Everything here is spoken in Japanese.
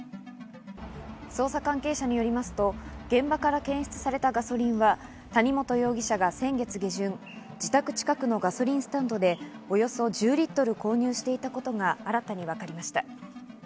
捜査関係者によりますと、現場から検出されたガソリンは谷本容疑者が先月下旬、自宅近くのガソリンスタンドでおよそ１０リットル購入していたことが新たに分かりました。